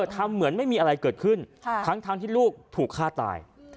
ทำเหมือนไม่มีอะไรเกิดขึ้นทั้งที่ลูกถูกฆ่าตาย